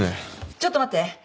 「ちょっと待って。